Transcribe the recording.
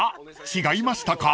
違いましたか？］